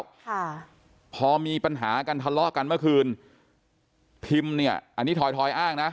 ค่ะพอมีปัญหากันทะเลาะกันเมื่อคืนพิมเนี่ยอันนี้ถอยทอยอ้างนะ